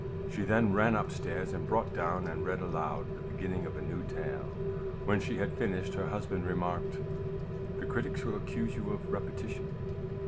She then ran up stairs, and brought down, and read aloud, the beginning of a new tale. When she had finished, her husband remarked, " The critics will accuse you of repetition."